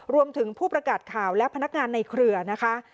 ผู้ประกาศข่าวและพนักงานในเครือนะคะ